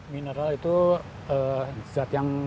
mineral itu zat yang